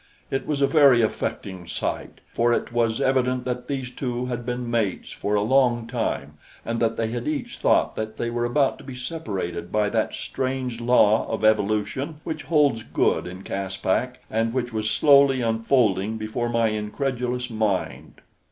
It was a very affecting sight, for it was evident that these two had been mates for a long time and that they had each thought that they were about to be separated by that strange law of evolution which holds good in Caspak and which was slowly unfolding before my incredulous mind.